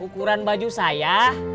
ukuran baju saya